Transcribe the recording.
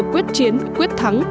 quyết chiến quyết thắng